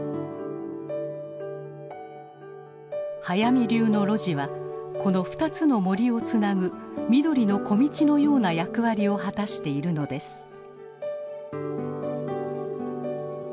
速水流の露地はこの二つの森をつなぐ緑の小道のような役割を果たしているのです。